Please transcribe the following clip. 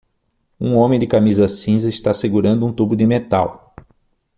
Um homem de camisa cinza está segurando um tubo de metal.